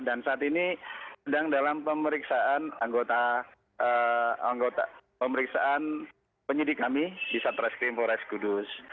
dan saat ini sedang dalam pemeriksaan anggota penyidik kami di satreskrim forest kudus